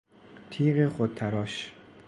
تیغ خودتراش